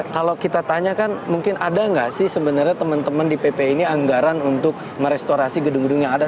kalau kita tanyakan mungkin ada nggak sih sebenarnya teman teman di pp ini anggaran untuk merestorasi gedung gedung yang ada